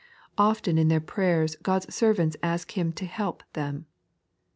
Often in their prayers God's servants ask Him to ktip them.